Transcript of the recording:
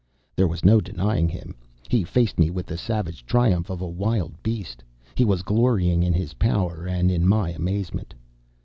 There was no denying him. He faced me with the savage triumph of a wild beast. He was glorying in his power, and in my amazement.